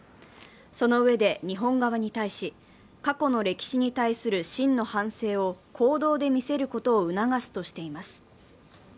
そのうえで日本側に対し、過去の歴史に対する真の反省を行動で見せることを促すとしています。